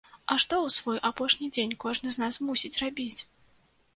А што ў свой апошні дзень кожны з нас мусіць рабіць?